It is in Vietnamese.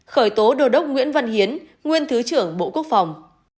khởi tố đô đốc nguyễn văn hiến nguyên thứ trưởng bộ quốc phòng